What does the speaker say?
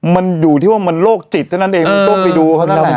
มันอยู่ที่ว่ามันโรคจิตเท่านั้นเองมันต้องไปดูเขานั่นแหละ